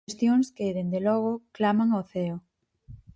Cuestións que, dende logo, claman ao ceo.